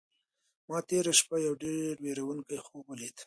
ما تېره شپه یو ډېر وېروونکی خوب ولید.